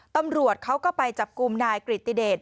ตำรวจเขาก็ไปจับกลุ่มนายกริติเดช